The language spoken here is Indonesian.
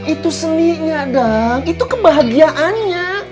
itu seninya gang itu kebahagiaannya